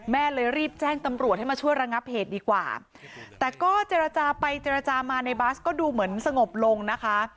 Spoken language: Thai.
แม่เลยรีบแจ้งตำรวจให้มาช่วยระงับเหตุดีกว่าแต่ก็เจรจาไปเจรจามาในบัสก็ดูเหมือนสงบลงนะคะ